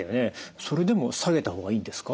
それでも下げた方がいいんですか？